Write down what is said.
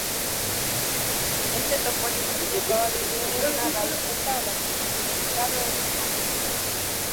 Este topónimo tiene probablemente una raíz celta o latina y su significado es desconocido.